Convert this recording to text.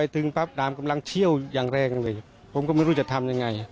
ตั้งเที่ยวยังแรงเลยผมก็ไม่รู้จะทำอย่างไร